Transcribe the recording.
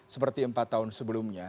seperti empat tahun sebelumnya